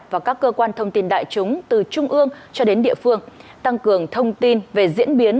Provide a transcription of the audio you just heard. và các cơ quan thông tin đại chúng từ trung ương cho đến địa phương tăng cường thông tin về diễn biến